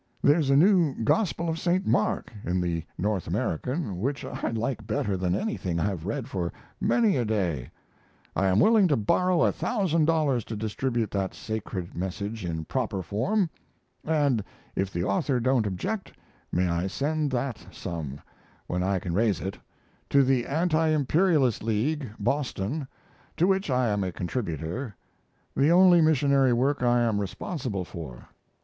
There's a new Gospel of Saint Mark in the North American which I like better than anything I've read for many a day. I am willing to borrow a thousand dollars to distribute that sacred message in proper form, & if the author don't object may I send that sum, when I can raise it, to the Anti Imperialist League, Boston, to which I am a contributor, the only missionary work I am responsible for.